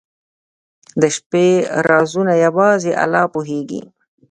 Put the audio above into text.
• د شپې رازونه یوازې الله پوهېږي.